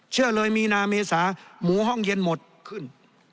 เชื่อเลยมีนาเมษาหมูห้องเย็นหมดขึ้น